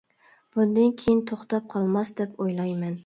بۇندىن كېيىن توختاپ قالماس دەپ ئويلايمەن.